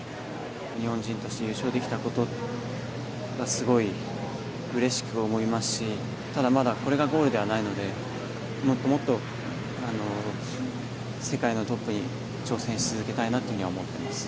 日本人として優勝できたことがすごいうれしく思いますしただ、まだこれがゴールではないのでもっともっと世界のトップに挑戦し続けたいなというふうには思っています。